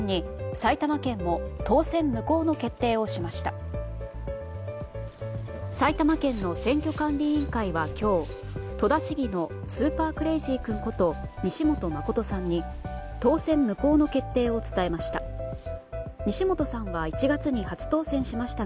埼玉県の選挙管理委員会は今日戸田市議のスーパークレイジー君こと西本誠さんに当選無効の決定を伝えました。